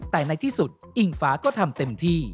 แต่ในที่สุดอิงฟ้าก็ทำเต็มที่